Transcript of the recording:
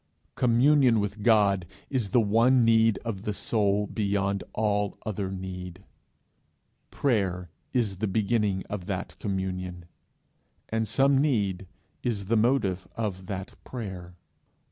Communion with God is the one need of the soul beyond all other need; prayer is the beginning of that communion, and some need is the motive of that prayer.